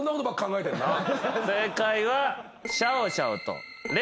正解は。